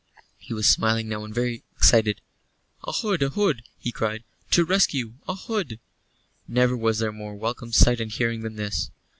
He was smiling now and very excited. "A Hood! a Hood!" he cried. "To the rescue. A Hood!" Never was there more welcome sight and hearing than this.